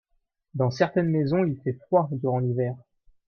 Dans certaines maisons il fait froid durant l'hiver.